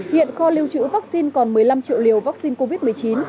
hiện kho lưu trữ vaccine còn một mươi năm triệu liều vaccine covid một mươi chín